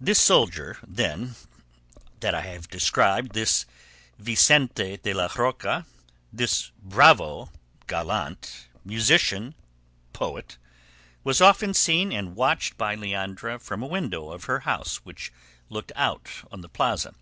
This soldier, then, that I have described, this Vicente de la Roca, this bravo, gallant, musician, poet, was often seen and watched by Leandra from a window of her house which looked out on the plaza.